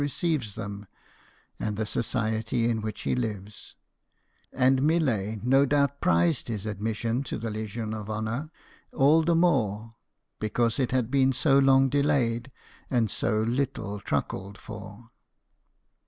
receives them and the society in which he lives ; and Millet no doubt prized his admission to the Legion of Honour all the more because it had been so long delayed and so little truckled for.